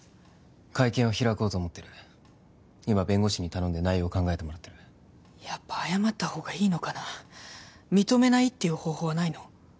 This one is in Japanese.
会見を開こうと思ってる今弁護士に頼んで内容を考えてもらってるやっぱ謝ったほうがいいのかな認めないっていう方法はないの？